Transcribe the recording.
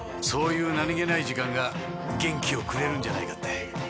そういう何げない時間が元気をくれるんじゃないかって。